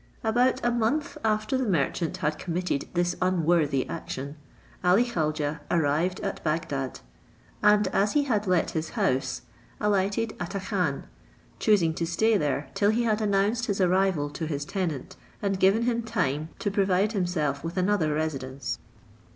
About a month after the merchant had committed this unworthy action, Ali Khaujeh arrived at Bagdad; and as he had let his house, alighted at a khan, choosing to stay there till he had announced his arrival to his tenant, and given him time to provide himself with another residence.